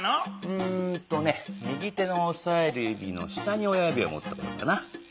うんとね右手のおさえるゆびの下に親ゆびをもってこようかな。